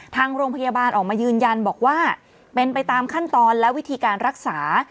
ทางโรงพยาบาลออกมายืนยันบอกว่าเป็นไปตามขั้นตอนและวิธีการรักษา